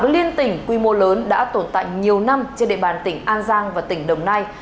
liên tỉnh quy mô lớn đã tồn tại nhiều năm trên địa bàn tỉnh an giang và tỉnh đồng nai